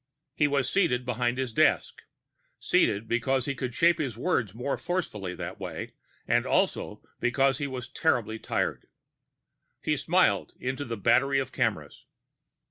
He was seated behind his desk seated, because he could shape his words more forcefully that way, and also because he was terribly tired. He smiled into the battery of cameras.